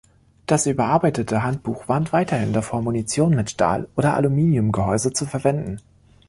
Das überarbeitete Handbuch warnt weiterhin davor, Munition mit Stahl- oder Aluminiumgehäuse zu verwenden.